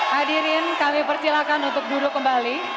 hadirin kami persilakan untuk duduk kembali